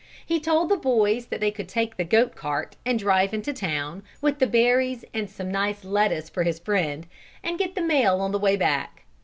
He told the boys that they could take the goat cart and drive into town, with the berries and some nice lettuce for his friend, and get the mail on the way back.